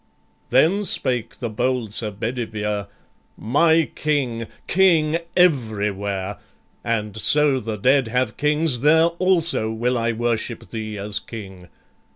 Then spake the bold Sir Bedivere: "My King, King everywhere! and so the dead have kings, There also will I worship thee as King.